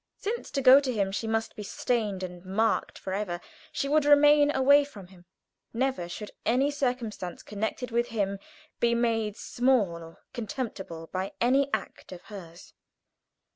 Since to go to him she must be stained and marked forever, she would remain away from him. Never should any circumstance connected with him be made small or contemptible by any act of hers.